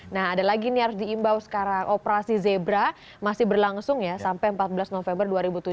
nah ada lagi nih harus diimbau sekarang operasi zebra masih berlangsung ya sampai empat belas november dua ribu tujuh belas